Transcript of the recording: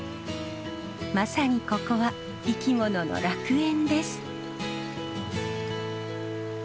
まさにここは生き物の楽園です。